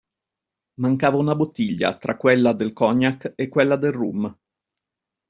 Mancava una bottiglia tra quella del cognac e quella del rum.